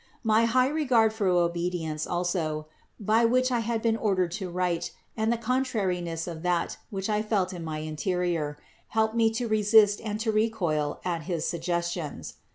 My high regard for obedi ence also, by which I had been ordered to write, and the contrariness of that which I felt in my interior, helped me to resist and to recoil at his suggestions.